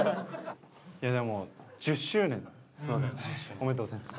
おめでとうございます。